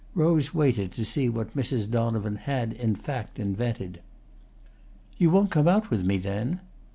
Rose waited to see what Mrs. Donovan had in fact invented. "You won't come out with me then?"